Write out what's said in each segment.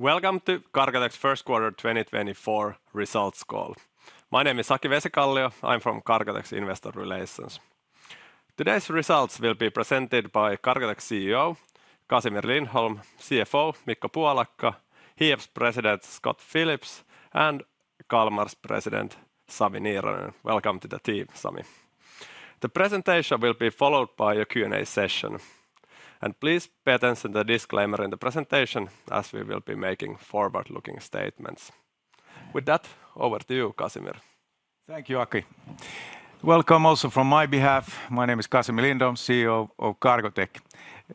Welcome to Cargotec's first quarter 2024 results call. My name is Aki Vesikallio. I'm from Cargotec's Investor Relations. Today's results will be presented by Cargotec's CEO, Casimir Lindholm, CFO, Mikko Puolakka, Hiab's President, Scott Phillips, and Kalmar's President, Sami Niiranen. Welcome to the team, Sami. The presentation will be followed by a Q&A session. Please pay attention to the disclaimer in the presentation, as we will be making forward-looking statements. With that, over to you, Casimir. Thank you, Aki. Welcome also from my behalf. My name is Casimir Lindholm, CEO of Cargotec.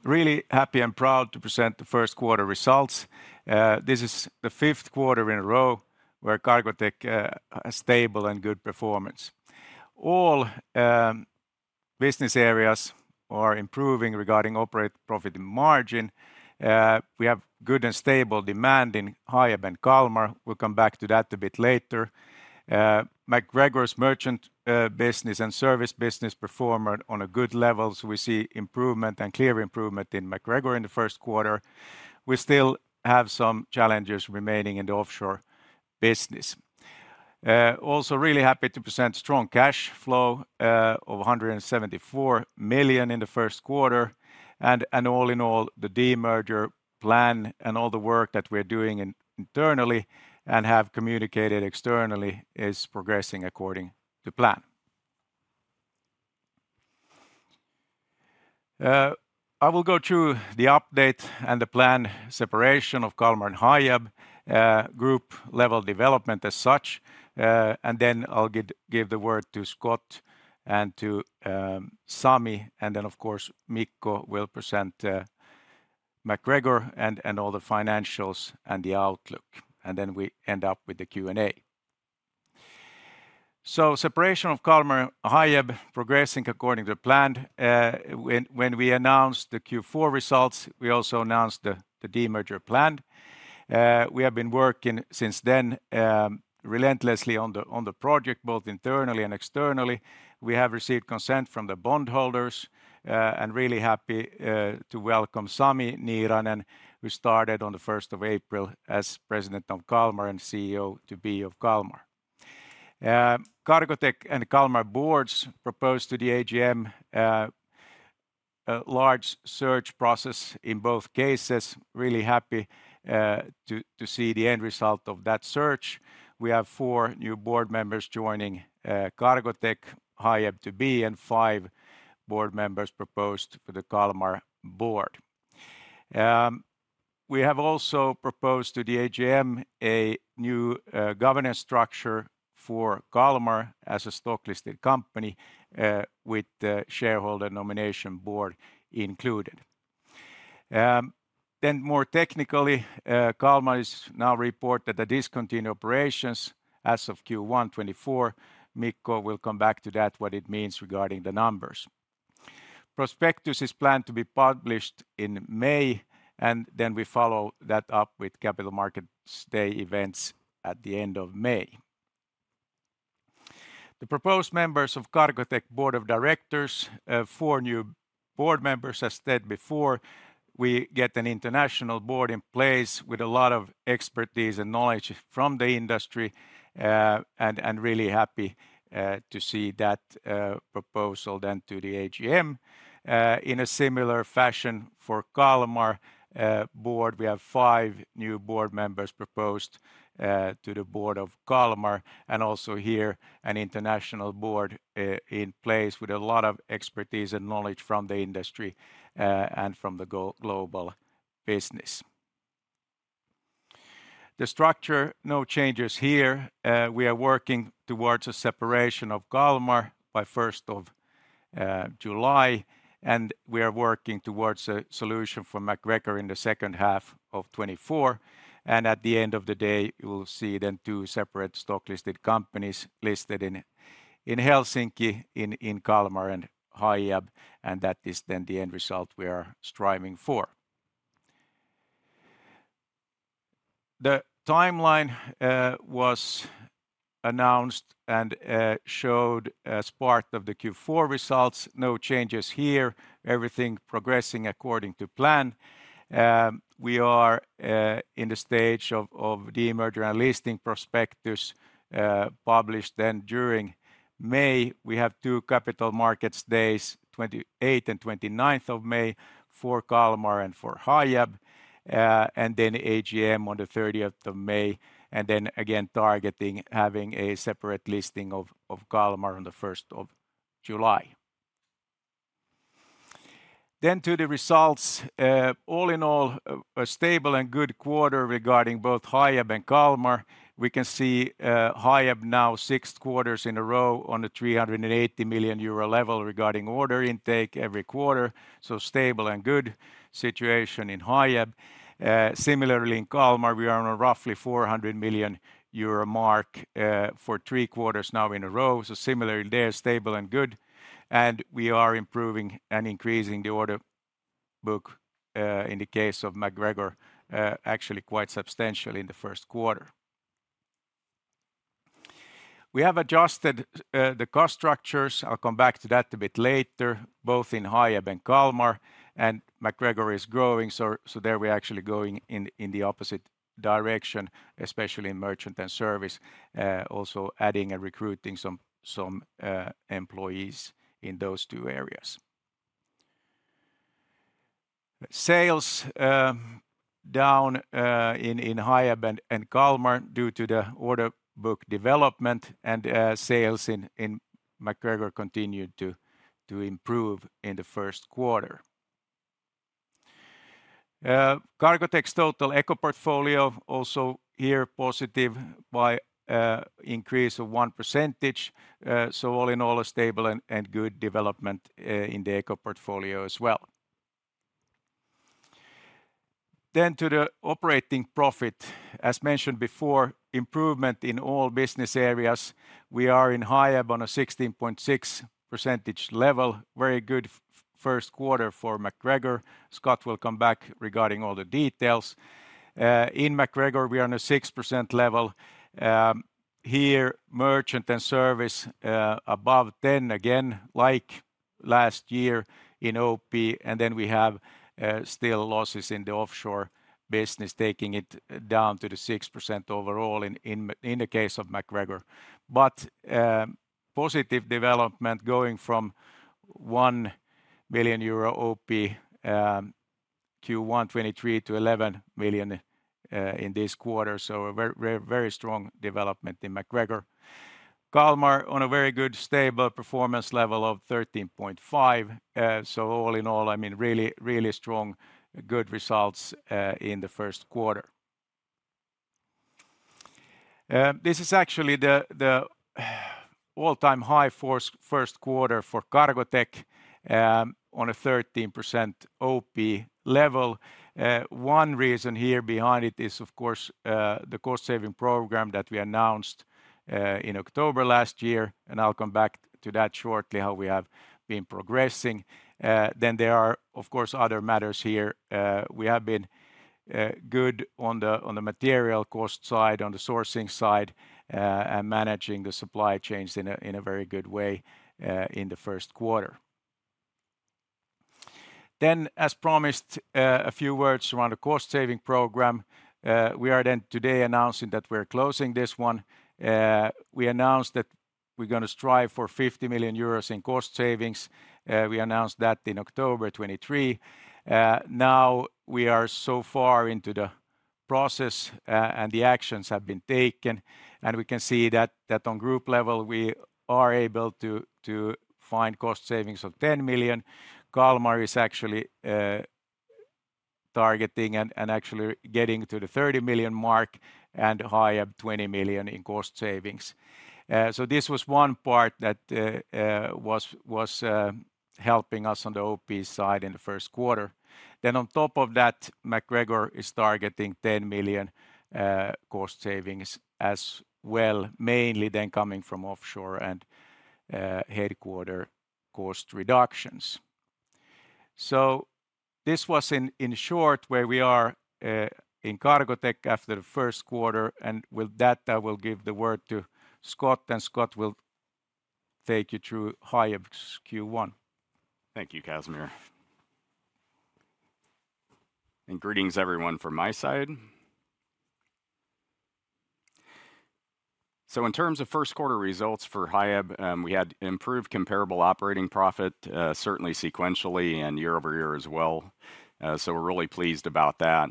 Really happy and proud to present the first quarter results. This is the fifth quarter in a row, where Cargotec, a stable and good performance. All business areas are improving regarding operating profit margin. We have good and stable demand in Hiab and Kalmar. We'll come back to that a bit later. MacGregor's merchant business and service business performed on a good level, so we see improvement and clear improvement in MacGregor in the first quarter. We still have some challenges remaining in the offshore business. Also really happy to present strong cash flow of 174 million in the first quarter. All in all, the demerger plan and all the work that we're doing internally and have communicated externally is progressing according to plan. I will go through the update and the plan separation of Kalmar and Hiab, group-level development as such, and then I'll give the word to Scott and to Sami, and then, of course, Mikko will present MacGregor and all the financials and the outlook. Then we end up with the Q&A. Separation of Kalmar and Hiab progressing according to plan. When we announced the Q4 results, we also announced the demerger plan. We have been working since then relentlessly on the project, both internally and externally. We have received consent from the bondholders, and really happy to welcome Sami Niiranen, who started on the first of April as President of Kalmar and CEO to be of Kalmar. Cargotec and Kalmar Board proposed to the AGM a large search process in both cases. Really happy to see the end result of that search. We have four new board members joining Cargotec, Hiab to be, and five board members proposed for the Kalmar Board. We have also proposed to the AGM a new governance structure for Kalmar as a stock-listed company with the Shareholders' Nomination Board included. Then more technically, Kalmar is now reported the discontinued operations as of Q1 2024. Mikko will come back to that, what it means regarding the numbers. Prospectus is planned to be published in May, and then we follow that up with Capital Markets Day events at the end of May. The proposed members of Cargotec Board of Directors, four new board members. As said before, we get an international board in place with a lot of expertise and knowledge from the industry, and really happy to see that proposal then to the AGM. In a similar fashion for Kalmar Board, we have five new board members proposed to the Board of Kalmar, and also here, an international board in place with a lot of expertise and knowledge from the industry, and from the global business. The structure, no changes here. We are working towards a separation of Kalmar by first of July, and we are working towards a solution for MacGregor in the second half of 2024. At the end of the day, you will see then two separate stock-listed companies listed in Helsinki, Kalmar and Hiab, and that is then the end result we are striving for. The timeline was announced and showed as part of the Q4 results. No changes here. Everything progressing according to plan. We are in the stage of demerger and listing prospectus published then during May. We have two Capital Markets Days, 28 and 29th of May, for Kalmar and for Hiab, and then AGM on the 30th of May, and then again, targeting having a separate listing of Kalmar on the first of July. Then to the results, all in all, a stable and good quarter regarding both Hiab and Kalmar. We can see, Hiab now six quarters in a row on a 380 million euro level regarding order intake every quarter, so stable and good situation in Hiab. Similarly in Kalmar, we are on a roughly 400 million euro mark, for three quarters now in a row, so similarly there, stable and good, and we are improving and increasing the order book, in the case of MacGregor, actually quite substantially in the first quarter. We have adjusted, the cost structures, I'll come back to that a bit later, both in Hiab and Kalmar, and MacGregor is growing, so, so there we're actually going in, in the opposite direction, especially in merchant and service. Also adding and recruiting some employees in those two areas. Sales down in Hiab and Kalmar due to the order book development and sales in MacGregor continued to improve in the first quarter. Cargotec's total Eco portfolio also here positive by increase of 1%. So all in all, a stable and good development in the Eco portfolio as well. Then to the operating profit. As mentioned before, improvement in all business areas. We are in Hiab on a 16.6% level. Very good first quarter for MacGregor. Scott will come back regarding all the details. In MacGregor, we are on a 6% level. Here, merchant and service above 10% again, like last year in OP, and then we have still losses in the offshore business, taking it down to the 6% overall in the case of MacGregor. But positive development going from 1 billion euro OP to 123 million to 11 million in this quarter, so a very, very, very strong development in MacGregor. Kalmar on a very good, stable performance level of 13.5%. So all in all, I mean, really, really strong, good results in the first quarter. This is actually the all-time high for first quarter for Cargotec on a 13% OP level. One reason here behind it is, of course, the cost-saving program that we announced in October last year, and I'll come back to that shortly, how we have been progressing. Then there are, of course, other matters here. We have been good on the material cost side, on the sourcing side, and managing the supply chains in a very good way in the first quarter. Then, as promised, a few words around the cost-saving program. We are then today announcing that we're closing this one. We announced that we're gonna strive for 50 million euros in cost savings. We announced that in October 2023. Now, we are so far into the process, and the actions have been taken, and we can see that on group level, we are able to find cost savings of 10 million. Kalmar is actually targeting and actually getting to the 30 million mark, and Hiab 20 million in cost savings. So this was one part that was helping us on the OP side in the first quarter. Then on top of that, MacGregor is targeting 10 million cost savings as well, mainly then coming from offshore and headquarters cost reductions. So this was in short, where we are in Cargotec after the first quarter, and with that, I will give the word to Scott, and Scott will take you through Hiab's Q1. Thank you, Casimir. Greetings, everyone, from my side. So in terms of first quarter results for Hiab, we had improved comparable operating profit, certainly sequentially and year-over-year as well. So we're really pleased about that.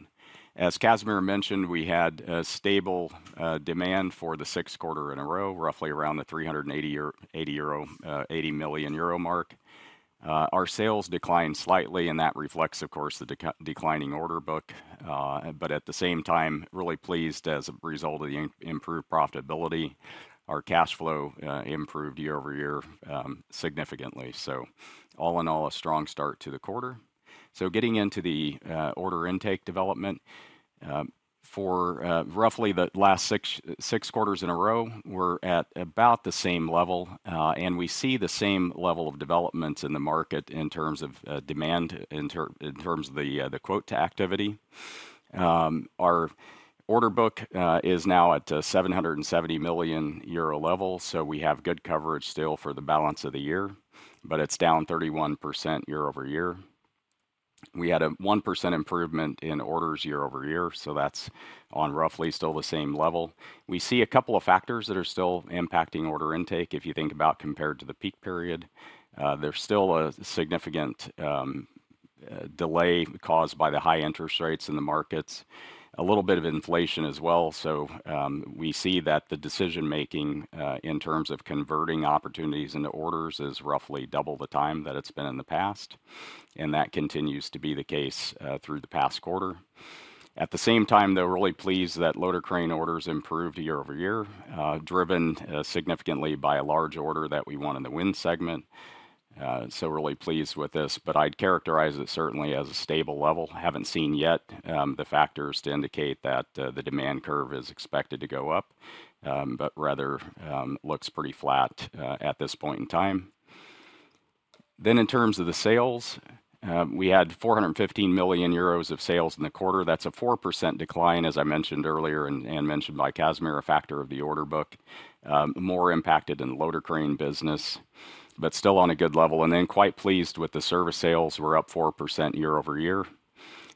As Casimir mentioned, we had a stable demand for the sixth quarter in a row, roughly around the 380 million euro mark. Our sales declined slightly, and that reflects, of course, the declining order book, but at the same time, really pleased as a result of the improved profitability. Our cash flow improved year-over-year, significantly. So all in all, a strong start to the quarter. So getting into the order intake development, for roughly the last six quarters in a row, we're at about the same level, and we see the same level of development in the market in terms of demand, in terms of the quote to activity. Our order book is now at a 770 million euro level, so we have good coverage still for the balance of the year, but it's down 31% year-over-year. We had a 1% improvement in orders year-over-year, so that's on roughly still the same level. We see a couple of factors that are still impacting order intake. If you think about compared to the peak period, there's still a significant delay caused by the high interest rates in the markets, a little bit of inflation as well. So, we see that the decision-making in terms of converting opportunities into orders is roughly double the time that it's been in the past, and that continues to be the case through the past quarter. At the same time, though, we're really pleased that loader crane orders improved year-over-year, driven significantly by a large order that we won in the wind segment. So we're really pleased with this, but I'd characterize it certainly as a stable level. Haven't seen yet the factors to indicate that the demand curve is expected to go up, but rather looks pretty flat at this point in time. Then in terms of the sales, we had 415 million euros of sales in the quarter. That's a 4% decline, as I mentioned earlier, and mentioned by Casimir, a factor of the order book, more impacted in the loader crane business, but still on a good level. And then quite pleased with the service sales were up 4% year-over-year,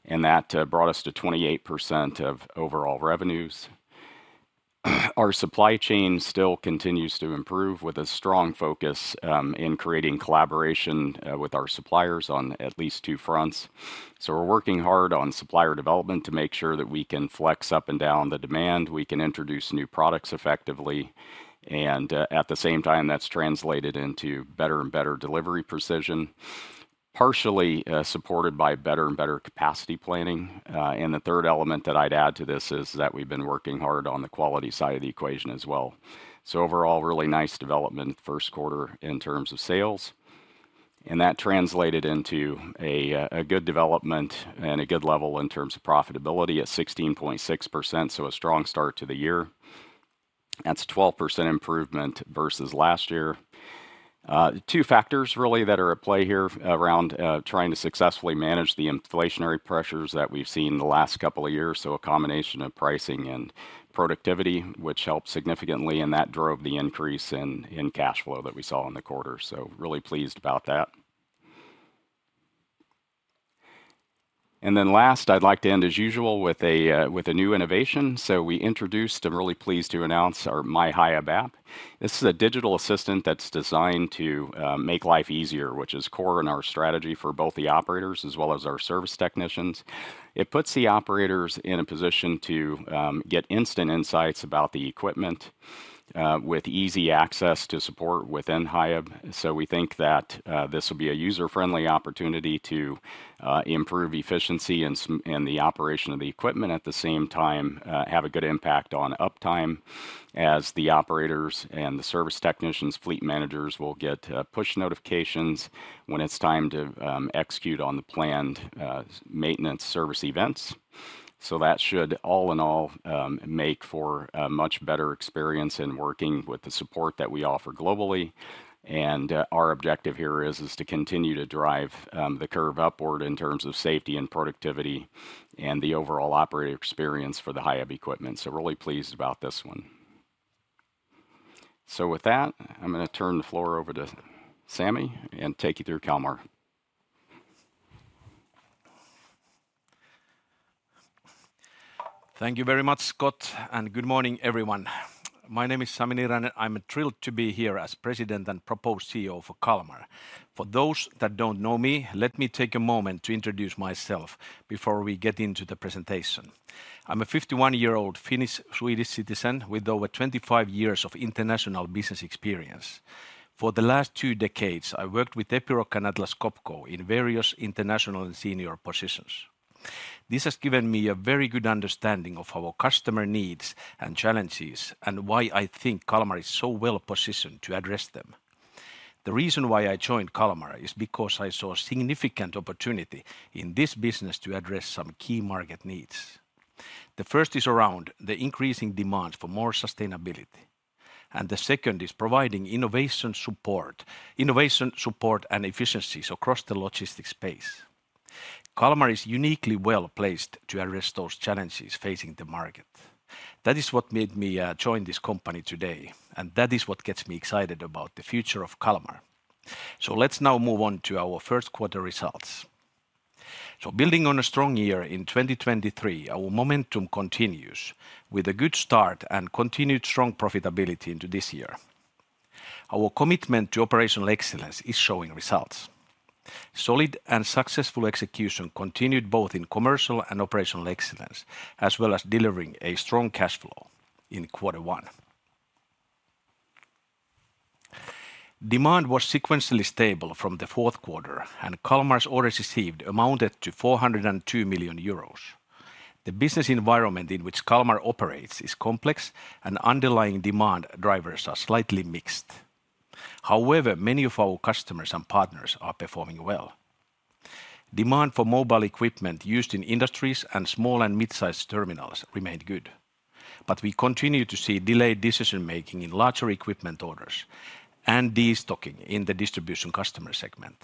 and that brought us to 28% of overall revenues. Our supply chain still continues to improve, with a strong focus in creating collaboration with our suppliers on at least two fronts. So we're working hard on supplier development to make sure that we can flex up and down the demand, we can introduce new products effectively, and, at the same time, that's translated into better and better delivery precision, partially, supported by better and better capacity planning. And the third element that I'd add to this is that we've been working hard on the quality side of the equation as well. So overall, really nice development first quarter in terms of sales, and that translated into a good development and a good level in terms of profitability at 16.6%, so a strong start to the year. That's a 12% improvement versus last year. Two factors really, that are at play here around trying to successfully manage the inflationary pressures that we've seen in the last couple of years. So a combination of pricing and productivity, which helped significantly, and that drove the increase in cash flow that we saw in the quarter. So really pleased about that. And then last, I'd like to end as usual with a new innovation. So we introduced, I'm really pleased to announce our MyHiab app. This is a digital assistant that's designed to make life easier, which is core in our strategy for both the operators as well as our service technicians. It puts the operators in a position to get instant insights about the equipment with easy access to support within Hiab. So we think that this will be a user-friendly opportunity to improve efficiency in the operation of the equipment, at the same time, have a good impact on uptime as the operators and the service technicians, fleet managers will get push notifications when it's time to execute on the planned maintenance service events. So that should all in all make for a much better experience in working with the support that we offer globally. And our objective here is to continue to drive the curve upward in terms of safety and productivity and the overall operator experience for the Hiab equipment. So really pleased about this one. So with that, I'm gonna turn the floor over to Sami, and take you through Kalmar. Thank you very much, Scott, and good morning, everyone. My name is Sami Niiranen, I'm thrilled to be here as President and proposed CEO for Kalmar. For those that don't know me, let me take a moment to introduce myself before we get into the presentation. I'm a 51-year-old Finnish Swedish citizen with over 25 years of international business experience. For the last two decades, I worked with Epiroc and Atlas Copco in various international and senior positions. This has given me a very good understanding of our customer needs and challenges, and why I think Kalmar is so well positioned to address them. The reason why I joined Kalmar is because I saw significant opportunity in this business to address some key market needs. The first is around the increasing demand for more sustainability, and the second is providing innovation support, innovation support and efficiencies across the logistics space. Kalmar is uniquely well placed to address those challenges facing the market. That is what made me, join this company today, and that is what gets me excited about the future of Kalmar. So let's now move on to our first quarter results. So building on a strong year in 2023, our momentum continues with a good start and continued strong profitability into this year. Our commitment to operational excellence is showing results. Solid and successful execution continued both in commercial and operational excellence, as well as delivering a strong cash flow in quarter one. Demand was sequentially stable from the fourth quarter, and Kalmar's orders received amounted to 402 million euros. The business environment in which Kalmar operates is complex, and underlying demand drivers are slightly mixed. However, many of our customers and partners are performing well. Demand for mobile equipment used in industries and small and mid-sized terminals remained good, but we continue to see delayed decision-making in larger equipment orders and de-stocking in the distribution customer segment.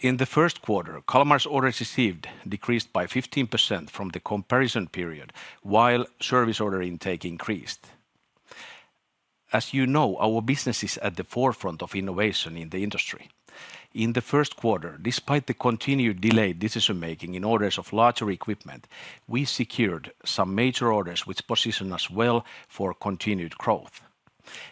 In the first quarter, Kalmar's orders received decreased by 15% from the comparison period, while service order intake increased. As you know, our business is at the forefront of innovation in the industry. In the first quarter, despite the continued delayed decision-making in orders of larger equipment, we secured some major orders, which position us well for continued growth.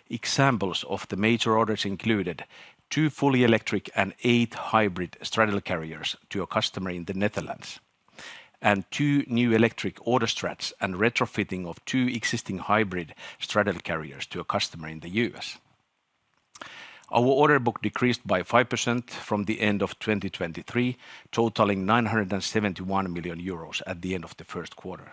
Examples of the major orders included 2 fully electric and 8 hybrid straddle carriers to a customer in the Netherlands, and 2 new electric straddle carriers and retrofitting of 2 existing hybrid straddle carriers to a customer in the U.S. Our order book decreased by 5% from the end of 2023, totaling 971 million euros at the end of the first quarter.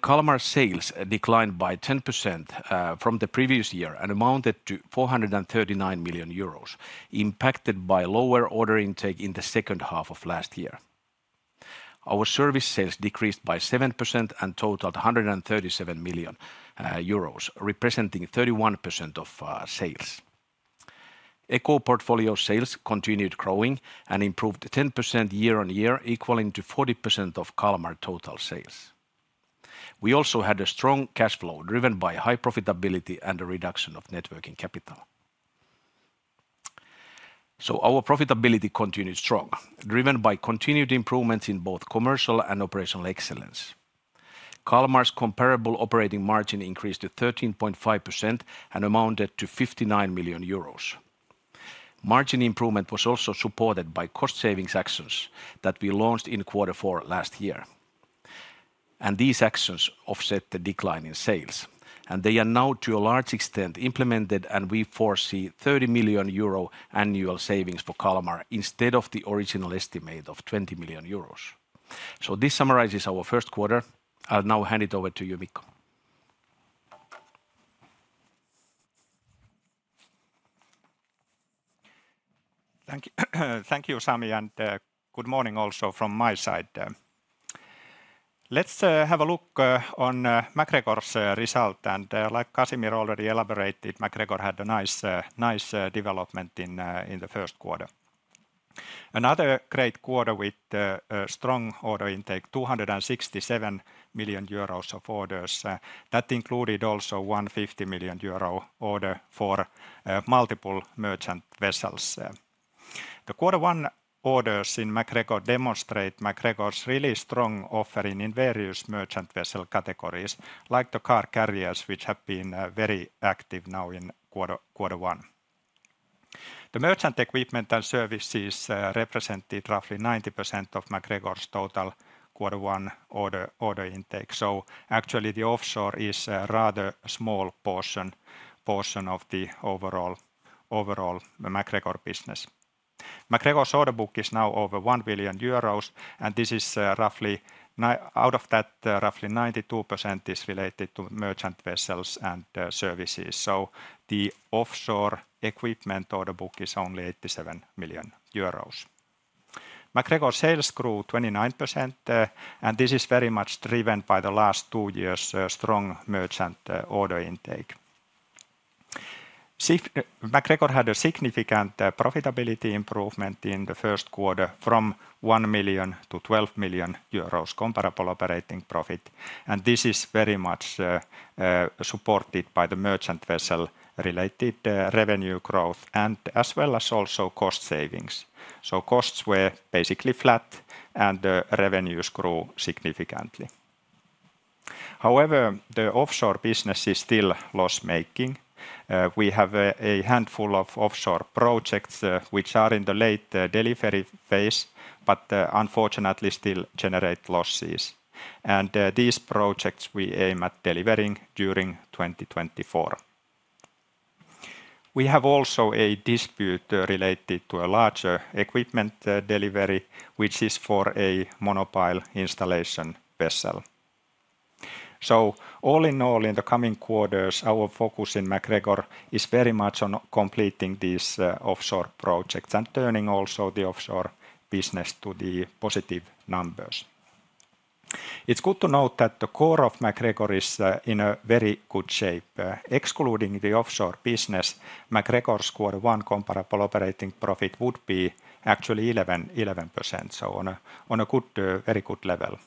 Kalmar sales declined by 10% from the previous year and amounted to 439 million euros, impacted by lower order intake in the second half of last year. Our service sales decreased by 7% and totaled 137 million euros, representing 31% of sales. Eco portfolio sales continued growing and improved 10% year-on-year, equaling to 40% of Kalmar total sales. We also had a strong cash flow, driven by high profitability and a reduction of net working capital. Our profitability continued strong, driven by continued improvements in both commercial and operational excellence. Kalmar's comparable operating margin increased to 13.5% and amounted to 59 million euros. Margin improvement was also supported by cost savings actions that we launched in quarter four last year, and these actions offset the decline in sales, and they are now, to a large extent, implemented, and we foresee 30 million euro annual savings for Kalmar, instead of the original estimate of 20 million euros. This summarizes our first quarter. I'll now hand it over to you, Mikko. Thank you. Thank you, Sami, and good morning also from my side. Let's have a look on MacGregor's result. Like Casimir already elaborated, MacGregor had a nice, nice, development in the first quarter. Another great quarter with a strong order intake, 267 million euros of orders, that included also 150 million euro order for multiple merchant vessels. The quarter one orders in MacGregor demonstrate MacGregor's really strong offering in various merchant vessel categories, like the car carriers, which have been very active now in quarter one. The merchant equipment and services represented roughly 90% of MacGregor's total quarter one order intake. So actually, the offshore is a rather small portion of the overall MacGregor business. MacGregor's order book is now over 1 billion euros, and this is roughly 92% out of that is related to merchant vessels and services. So the offshore equipment order book is only 87 million euros. MacGregor sales grew 29%, and this is very much driven by the last two years' strong merchant order intake. MacGregor had a significant profitability improvement in the first quarter from 1 million to 12 million euros comparable operating profit, and this is very much supported by the merchant vessel-related revenue growth and as well as also cost savings. So costs were basically flat, and revenues grew significantly. However, the offshore business is still loss-making. We have a handful of offshore projects which are in the late delivery phase, but unfortunately, still generate losses. These projects, we aim at delivering during 2024. We have also a dispute related to a larger equipment delivery, which is for a monopile installation vessel. So all in all, in the coming quarters, our focus in MacGregor is very much on completing these, offshore projects and turning also the offshore business to the positive numbers. It's good to note that the core of MacGregor is, in a very good shape. Excluding the offshore business, MacGregor's quarter one comparable operating profit would be actually 11%, so on a, on a good, very good level.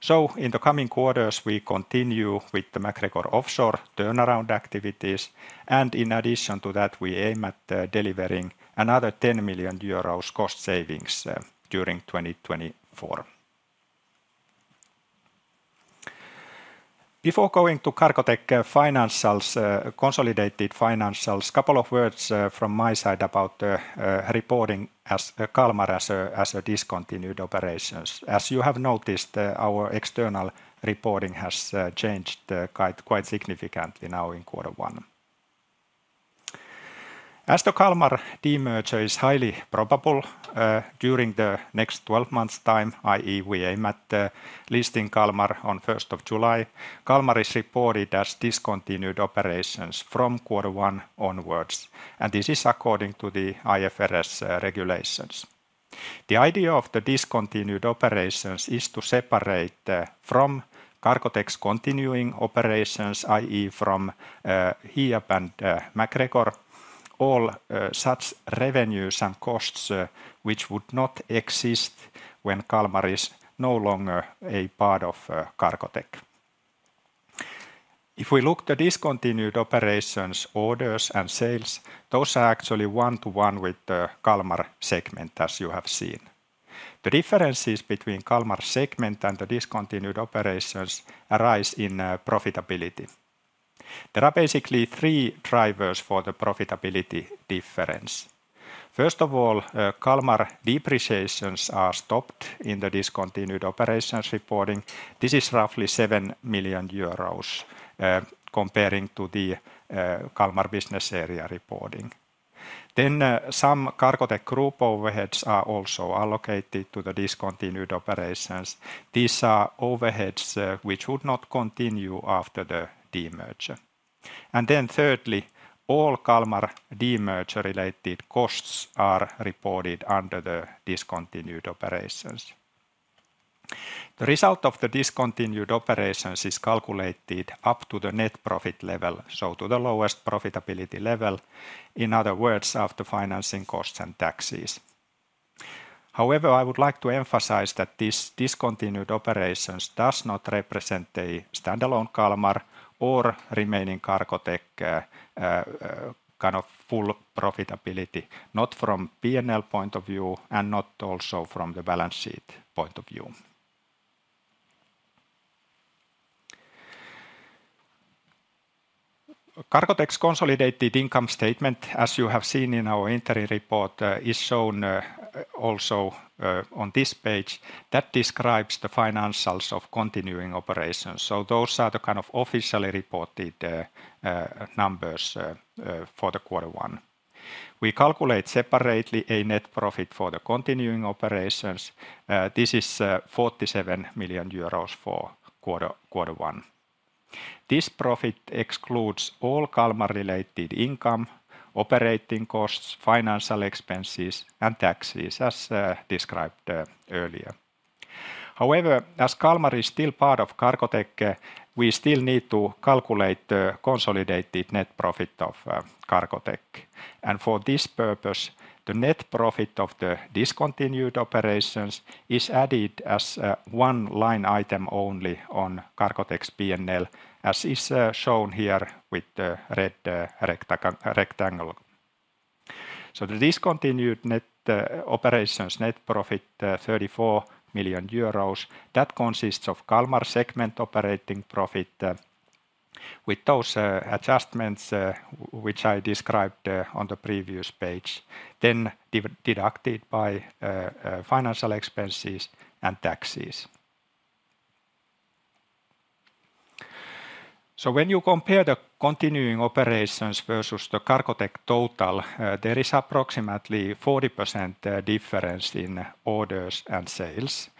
So in the coming quarters, we continue with the MacGregor offshore turnaround activities, and in addition to that, we aim at, delivering another 10 million euros cost savings, during 2024. Before going to Cargotec financials, consolidated financials, a couple of words from my side about reporting Kalmar as a discontinued operations. As you have noticed, our external reporting has changed quite significantly now in quarter one. As the Kalmar demerger is highly probable during the next 12 months' time, i.e., we aim at listing Kalmar on first of July, Kalmar is reported as discontinued operations from quarter one onwards, and this is according to the IFRS regulations. The idea of the discontinued operations is to separate from Cargotec's continuing operations, i.e., from Hiab and MacGregor, all such revenues and costs which would not exist when Kalmar is no longer a part of Cargotec. If we look at the discontinued operations, orders, and sales, those are actually one to one with the Kalmar segment, as you have seen. The differences between Kalmar segment and the discontinued operations arise in profitability. There are basically three drivers for the profitability difference. First of all, Kalmar depreciations are stopped in the discontinued operations reporting. This is roughly 7 million euros comparing to the Kalmar business area reporting. Then, some Cargotec group overheads are also allocated to the discontinued operations. These are overheads which would not continue after the demerger. And then thirdly, all Kalmar demerger related costs are reported under the discontinued operations. The result of the discontinued operations is calculated up to the net profit level, so to the lowest profitability level, in other words, after financing costs and taxes. However, I would like to emphasize that this discontinued operations does not represent a standalone Kalmar or remaining Cargotec, kind of full profitability, not from P&L point of view, and not also from the balance sheet point of view. Cargotec's consolidated income statement, as you have seen in our interim report, is shown also on this page that describes the financials of continuing operations. So those are the kind of officially reported numbers for quarter one. We calculate separately a net profit for the continuing operations. This is 47 million euros for quarter one. This profit excludes all Kalmar-related income, operating costs, financial expenses, and taxes, as described earlier. However, as Kalmar is still part of Cargotec, we still need to calculate the consolidated net profit of Cargotec. For this purpose, the net profit of the discontinued operations is added as one line item only on Cargotec's P&L, as is shown here with the red rectangle. The discontinued net operations net profit, 34 million euros, that consists of Kalmar segment operating profit with those adjustments which I described on the previous page, then deducted by financial expenses and taxes. When you compare the continuing operations versus the Cargotec total, there is approximately 40% difference in orders and sales,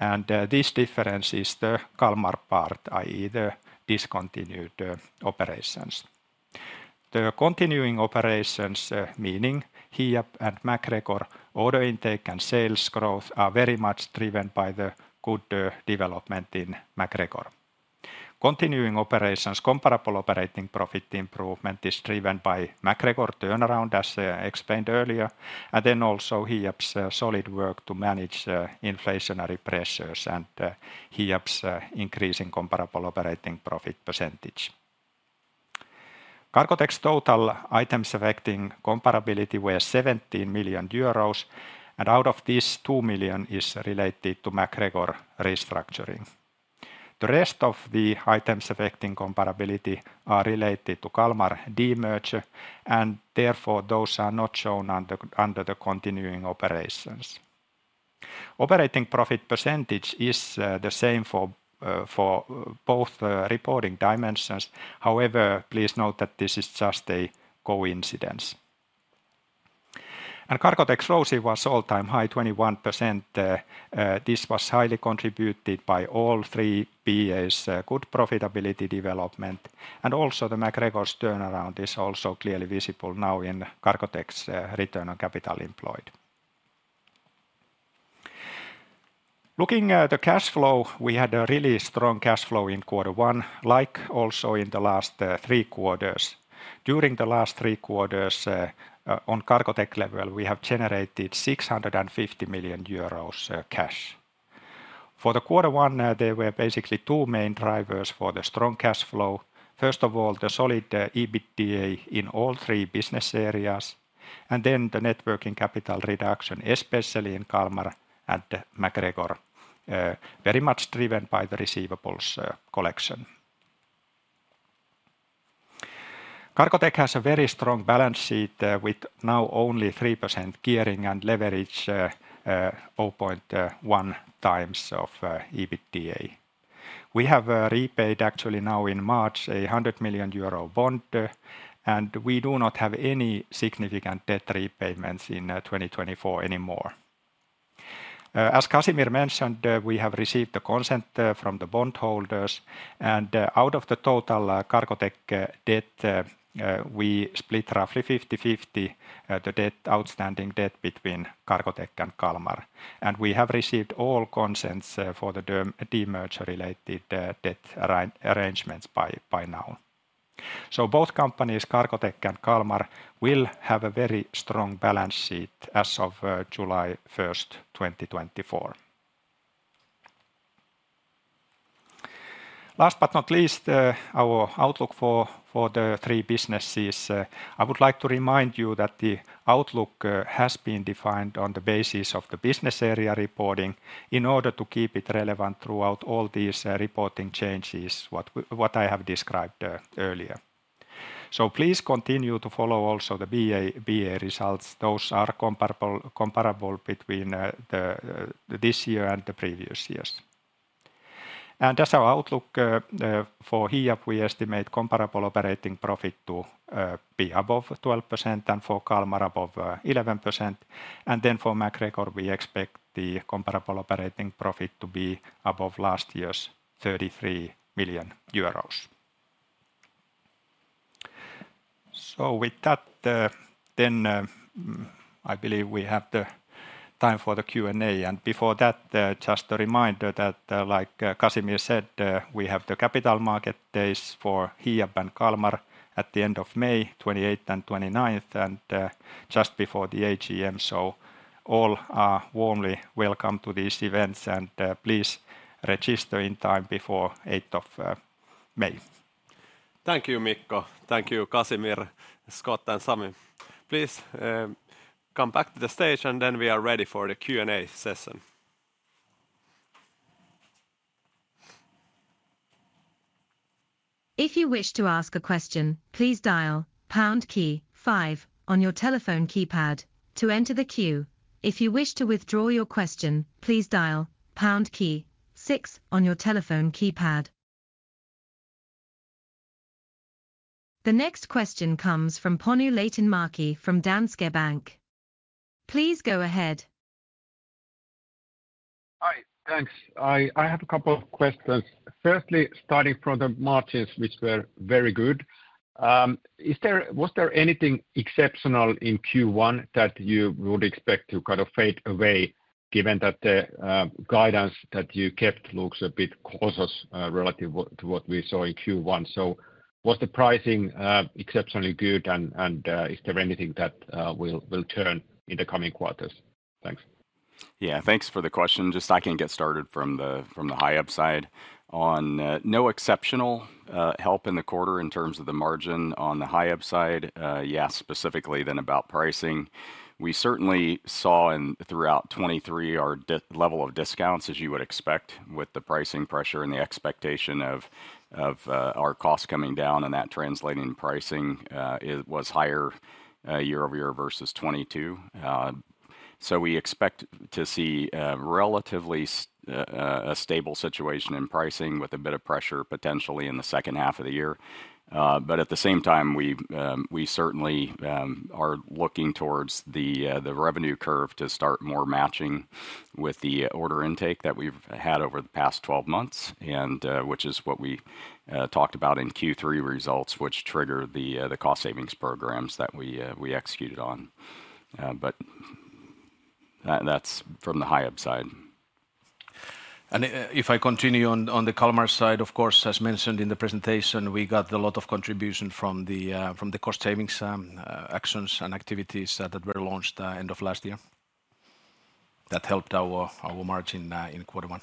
and this difference is the Kalmar part, i.e., the discontinued operations. The continuing operations, meaning Hiab and MacGregor, order intake and sales growth are very much driven by the good development in MacGregor. Continuing operations comparable operating profit improvement is driven by MacGregor turnaround, as explained earlier, and then also Hiab's solid work to manage inflationary pressures and Hiab's increase in comparable operating profit percentage. Cargotec's total items affecting comparability were 17 million euros, and out of these, 2 million is related to MacGregor restructuring. The rest of the items affecting comparability are related to Kalmar demerger, and therefore, those are not shown under the continuing operations. Operating profit percentage is the same for both the reporting dimensions. However, please note that this is just a coincidence. Cargotec's ROCE was all-time high, 21%. This was highly contributed by all three BAs good profitability development, and also the MacGregor's turnaround is also clearly visible now in Cargotec's return on capital employed. Looking at the cash flow, we had a really strong cash flow in quarter one, like also in the last three quarters. During the last three quarters, on Cargotec level, we have generated 650 million euros cash. For quarter one, there were basically two main drivers for the strong cash flow. First of all, the solid EBITDA in all three business areas, and then the net working capital reduction, especially in Kalmar and MacGregor, very much driven by the receivables collection. Cargotec has a very strong balance sheet, with now only 3% gearing and leverage 0.1 times EBITDA. We have repaid actually now in March a 100 million euro bond, and we do not have any significant debt repayments in 2024 anymore. As Casimir mentioned, we have received the consent from the bondholders, and out of the total Cargotec debt, we split roughly 50/50 the outstanding debt between Cargotec and Kalmar. And we have received all consents for the demerger-related debt arrangements by now. So both companies, Cargotec and Kalmar, will have a very strong balance sheet as of July first, 2024. Last but not least, our outlook for the three businesses. I would like to remind you that the outlook has been defined on the basis of the business area reporting in order to keep it relevant throughout all these reporting changes what I have described earlier. So please continue to follow also the BA results. Those are comparable between this year and the previous years. As our outlook for Hiab, we estimate comparable operating profit to be above 12%, and for Kalmar, above 11%. Then for MacGregor, we expect the comparable operating profit to be above last year's 33 million euros. So with that, then I believe we have the time for the Q&A. Before that, just a reminder that, like Casimir said, we have the Capital Markets Days for Hiab and Kalmar at the end of May, 28th and 29th, and just before the AGM. So all are warmly welcome to these events, and please register in time before 8th of May. Thank you, Mikko. Thank you, Casimir, Scott, and Sami. Please, come back to the stage, and then we are ready for the Q&A session. If you wish to ask a question, please dial pound key five on your telephone keypad to enter the queue. If you wish to withdraw your question, please dial pound key six on your telephone keypad. The next question comes from Panu Laitinmäki from Danske Bank. Please go ahead. Hi. Thanks. I have a couple of questions. Firstly, starting from the margins, which were very good, was there anything exceptional in Q1 that you would expect to kind of fade away, given that the guidance that you kept looks a bit cautious, relative to what we saw in Q1? So was the pricing exceptionally good, and is there anything that will turn in the coming quarters? Thanks. Yeah, thanks for the question. Just, I can get started from the high upside. On, no exceptional help in the quarter in terms of the margin on the high upside. Yeah, specifically then about pricing, we certainly saw in throughout 2023, our level of discounts, as you would expect, with the pricing pressure and the expectation of our costs coming down and that translating pricing, it was higher year-over-year versus 2022. So we expect to see relatively a stable situation in pricing, with a bit of pressure potentially in the second half of the year. But at the same time, we certainly are looking towards the revenue curve to start more matching with the order intake that we've had over the past 12 months, and which is what we talked about in Q3 results, which triggered the cost savings programs that we executed on. But that, that's from the high upside. If I continue on the Kalmar side, of course, as mentioned in the presentation, we got a lot of contribution from the cost savings actions and activities that were launched end of last year. That helped our margin in quarter one.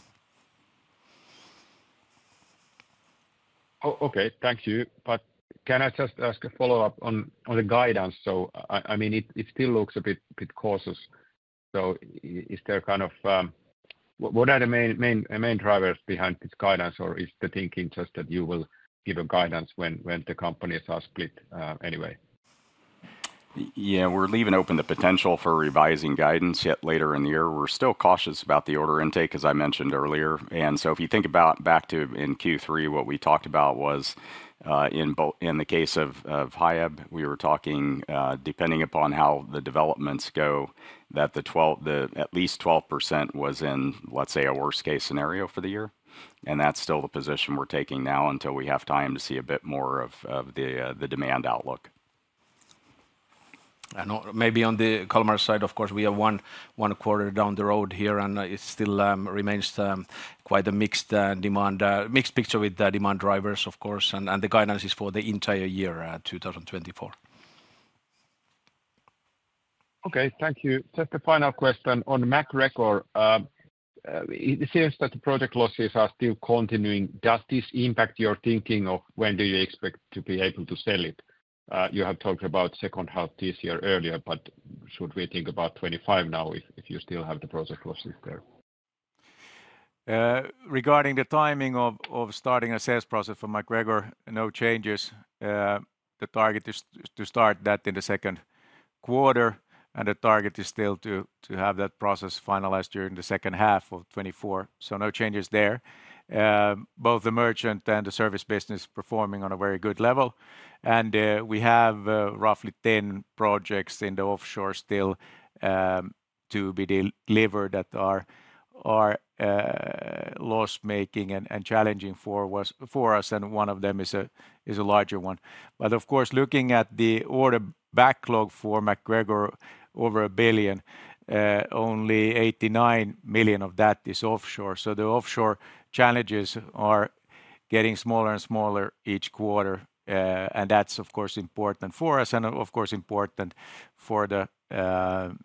Okay. Thank you. But can I just ask a follow-up on the guidance? So I mean, it still looks a bit cautious, so is there kind of what are the main drivers behind this guidance, or is the thinking just that you will give a guidance when the companies are split, anyway? Yeah, we're leaving open the potential for revising guidance yet later in the year. We're still cautious about the order intake, as I mentioned earlier. And so if you think about back to in Q3, what we talked about was, in the case of Hiab, we were talking, depending upon how the developments go, that the at least 12% was in, let's say, a worst-case scenario for the year, and that's still the position we're taking now until we have time to see a bit more of the demand outlook. I know maybe on the Kalmar side, of course, we are 1 quarter down the road here, and it still remains quite a mixed demand mixed picture with the demand drivers, of course, and the guidance is for the entire year 2024. Okay, thank you. Just a final question on MacGregor. It seems that the project losses are still continuing. Does this impact your thinking of when do you expect to be able to sell it? You have talked about second half this year earlier, but should we think about 2025 now if you still have the project losses there? Regarding the timing of starting a sales process for MacGregor, no changes. The target is to start that in the second quarter, and the target is still to have that process finalized during the second half of 2024, so no changes there. Both the merchant and the service business performing on a very good level, and we have roughly 10 projects in the offshore still to be delivered that are loss-making and challenging for us, and one of them is a larger one. But of course, looking at the order backlog for MacGregor, over 1 billion, only 89 million of that is offshore. So the offshore challenges are getting smaller and smaller each quarter, and that's, of course, important for us and, of course, important for the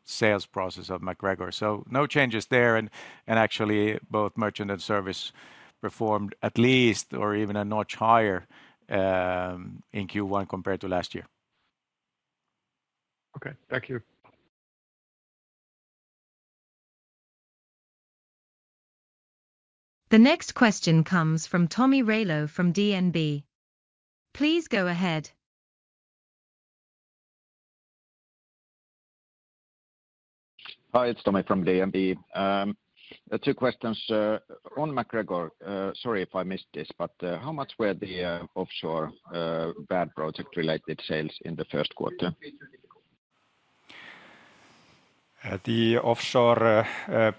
sales process of MacGregor. So no changes there, and actually, both merchant and service performed at least or even a notch higher in Q1 compared to last year. Okay, thank you. The next question comes from Tomi Railo from DNB. Please go ahead. Hi, it's Tomi from DNB. Two questions. On MacGregor, sorry if I missed this, but, how much were the, offshore, bad project-related sales in the first quarter? The offshore,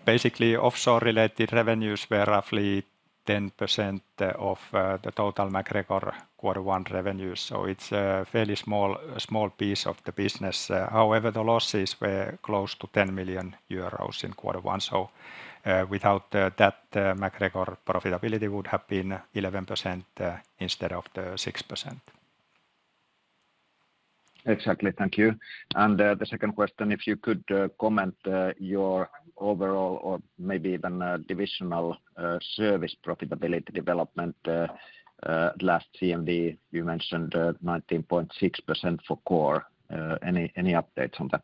basically offshore-related revenues were roughly 10% of, the total MacGregor quarter one revenues, so it's a fairly small, a small piece of the business. However, the losses were close to 10 million euros in quarter one, so, without, that, MacGregor profitability would have been 11%, instead of the 6%. Exactly. Thank you. And, the second question, if you could comment, your overall or maybe even, divisional, service profitability development. Last CMD, you mentioned, 19.6% for core. Any updates on that?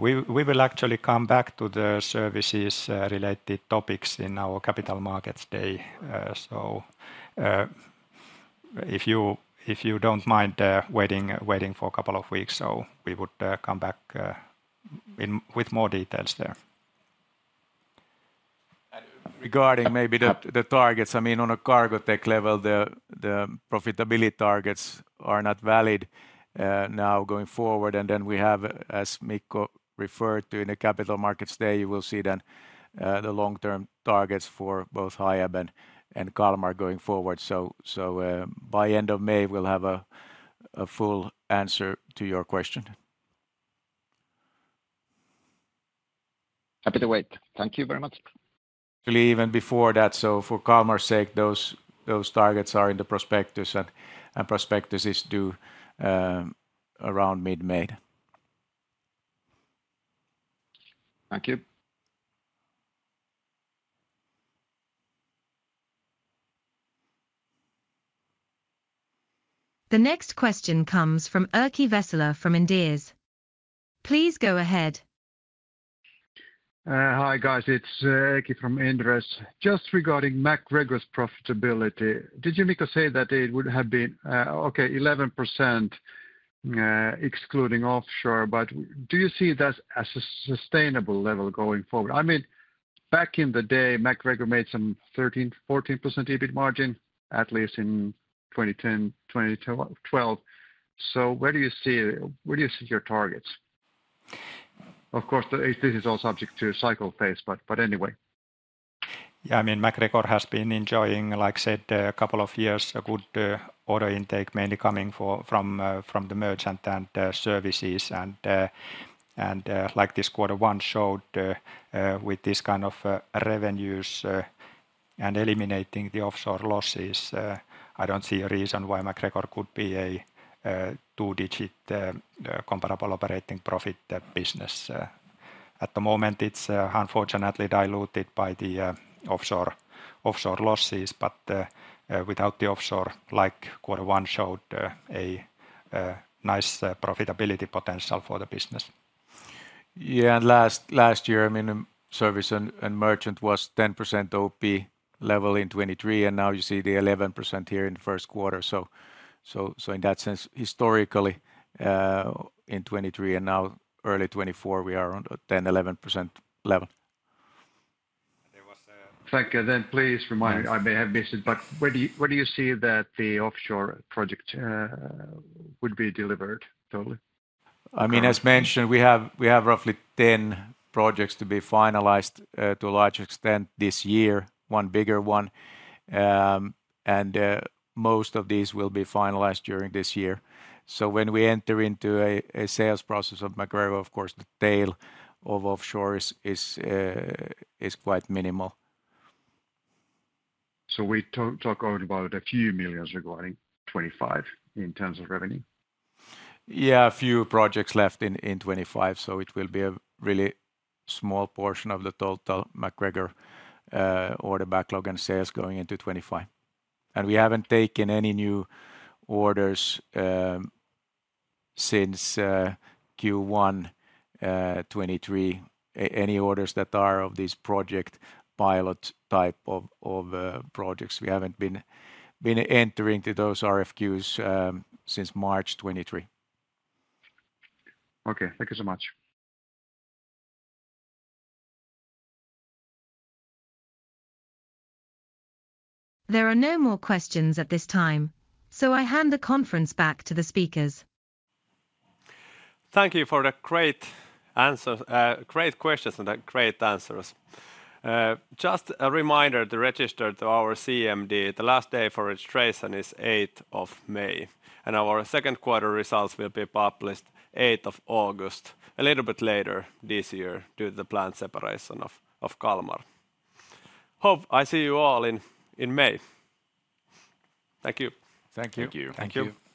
We will actually come back to the services-related topics in our Capital Markets Day. So, if you don't mind waiting for a couple of weeks, so we would come back with more details there. And regarding maybe the targets, I mean, on a Cargotec level, the profitability targets are not valid now going forward. And then we have, as Mikko referred to, in the Capital Markets Day, you will see then the long-term targets for both Hiab and Kalmar going forward. So, by end of May, we'll have a full answer to your question. Happy to wait. Thank you very much. Actually, even before that, so for Kalmar's sake, those targets are in the prospectus, and prospectus is due around mid-May. Thank you. The next question comes from Erkki Vesola from Inderes. Please go ahead. Hi, guys. It's Erkki from Inderes. Just regarding MacGregor's profitability, did you, Mikko, say that it would have been okay, 11%, excluding offshore? But do you see that as a sustainable level going forward? I mean, back in the day, MacGregor made some 13%-14% EBIT margin, at least in 2010, 2012. So where do you see... Where do you see your targets? Of course, this is all subject to cycle pace, but anyway. Yeah, I mean, MacGregor has been enjoying, like I said, a couple of years, a good order intake, mainly coming from the merchant and services. And, like this quarter one showed, with this kind of revenues and eliminating the offshore losses, I don't see a reason why MacGregor could be a two-digit comparable operating profit business. At the moment, it's unfortunately diluted by the offshore losses, but without the offshore, like quarter one showed, a nice profitability potential for the business. Yeah, and last year, I mean, service and merchant was 10% OP level in 2023, and now you see the 11% here in the first quarter. So in that sense, historically, in 2023 and now early 2024, we are around 10, 11% level. Thank you. Then please remind me, I may have missed it, but where do you, where do you see that the offshore project would be delivered totally? I mean, as mentioned, we have, we have roughly 10 projects to be finalized, to a large extent this year, one bigger one. And most of these will be finalized during this year. So when we enter into a sales process of MacGregor, of course, the tail of offshore is quite minimal. So we talk only about a few million EUR regarding 2025 in terms of revenue? Yeah, a few projects left in 2025, so it will be a really small portion of the total MacGregor order backlog and sales going into 2025. And we haven't taken any new orders since Q1 2023. Any orders that are of this project pilot type of projects, we haven't been entering into those RFQs since March 2023. Okay. Thank you so much. There are no more questions at this time, so I hand the conference back to the speakers. Thank you for the great answers... great questions and the great answers. Just a reminder to register to our CMD. The last day for registration is 8th of May, and our second quarter results will be published 8th of August, a little bit later this year, due to the planned separation of Kalmar. Hope I see you all in May. Thank you. Thank you. Thank you. Thank you.